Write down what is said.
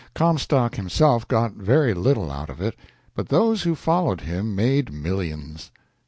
Comstock himself got very little out of it, but those who followed him made millions.